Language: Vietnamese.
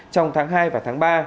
trong tháng hai và tháng ba